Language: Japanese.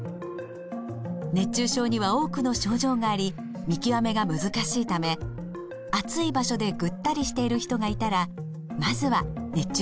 熱中症には多くの症状があり見極めが難しいため暑い場所でぐったりしている人がいたらまずは熱中症を疑いましょう。